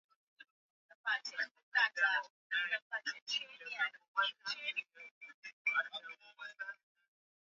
sabini na mbili ya watoto walikuwa hawana meno ya kusiaga Sitini na moja sitini